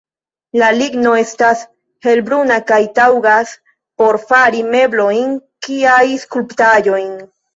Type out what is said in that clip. La ligno estas helbruna kaj taŭgas por fari meblojn kiaj skulptaĵojn.